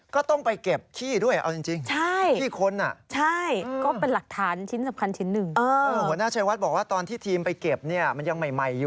ก็ต้องไปเก็บขี้ด้วยเอาจริง